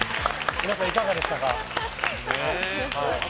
皆さん、いかがでしたか。